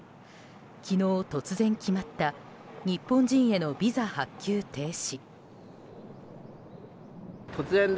昨日、突然決まった日本人へのビザ発給停止。